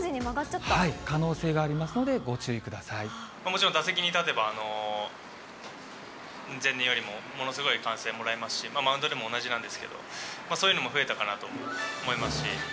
可能性がありますので、もちろん打席に立てば、前年よりもものすごい歓声もらえますし、マウンドでも同じなんですけど、そういうのも増えたかなと思いますし。